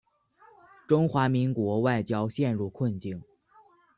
中华民国外交陷入困境。